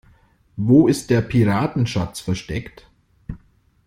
Wo ist der Piratenschatz versteckt?